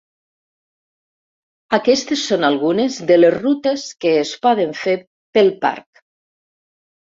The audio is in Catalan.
Aquestes són algunes de les rutes que es poden fer pel parc.